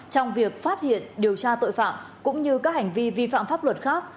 trong việc phát hiện điều tra tội phạm cũng như các hành vi vi phạm pháp luật khác